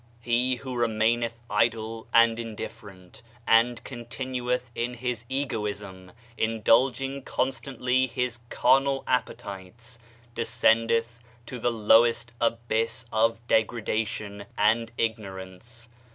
He who remaineth idle and indifferent, and continueth in his egoism, indulging constantly his carnal appetites, descendth to the lowest abyss of degradation, and ignorance.